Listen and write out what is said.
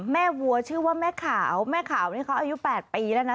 วัวชื่อว่าแม่ขาวแม่ขาวนี่เขาอายุ๘ปีแล้วนะ